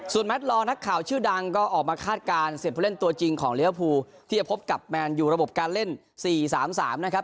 ส่วนนักข่าวชื่อดังก็ออกมาคาดการณ์เสร็จเพื่อเล่นตัวจริงของเลือดภูร์ที่จะพบกับระบบการเล่นสี่สามสามนะครับ